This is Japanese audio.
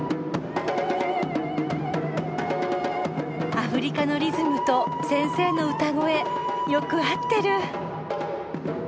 アフリカのリズムと先生の歌声よく合ってる。